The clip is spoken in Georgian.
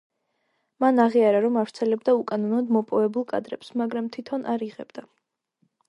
მან აღიარა, რომ ავრცელებდა უკანონოდ მოპოვებულ კადრებს, მაგრამ თითონ არ იღებდა.